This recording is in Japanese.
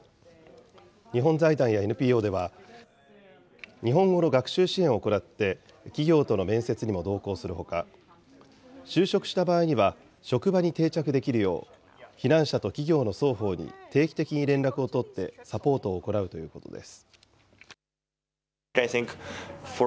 日本財団やＮＰＯでは、日本語の学習支援を行って、企業との面接にも同行するほか、就職した場合には、職場に定着できるよう、避難者と企業の双方に定期的に連絡を取ってサポートを行うということです。